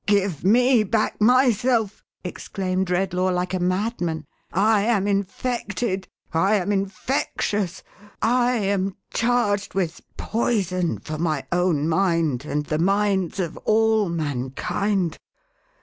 "Give me back myself !" exclaimed Redlaw like a madman. " I am infected ! I am infectious ! I am charged with poison for my own mind, and the minds of all mankind.